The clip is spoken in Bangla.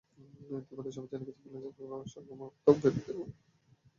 ইতিমধ্যে সবাই জেনে গেছি, বাংলাদেশে অসংক্রামক ব্যাধি ব্যাপকভাবে বিস্তার লাভ করেছে।